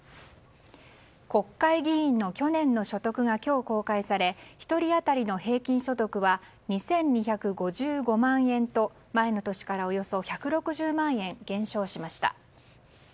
国会議員の去年の所得が今日、公開され１人当たりの平均所得は２２５５万円と前の年からおよそ１６０万円減少しました。